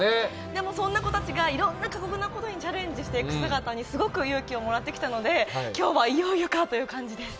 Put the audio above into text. でもそんな子たちがいろんな過酷なことにチャレンジしていく姿にすごく勇気をもらってきたので、今日はいよいよかという感じです。